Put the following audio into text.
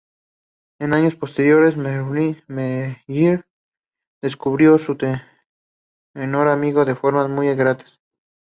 En años posteriores, Merrill describió a su tenor amigo en formas muy gratas.